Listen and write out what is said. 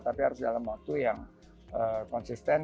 tapi harus dalam waktu yang konsisten